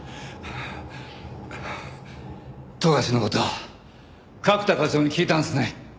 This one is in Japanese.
冨樫の事角田課長に聞いたんですね？